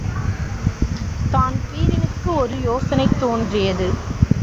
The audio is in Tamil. தான்பிரீனுக்கு ஒரு யோசனை தோன்றியது.